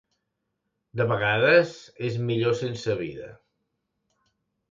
De vegades, és millor sense vida.